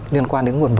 liên quan đến nguồn vốn